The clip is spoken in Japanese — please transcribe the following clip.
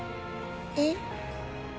えっ？